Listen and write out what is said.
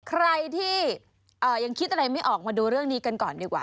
ใครที่ยังคิดอะไรไม่ออกมาดูเรื่องนี้กันก่อนดีกว่า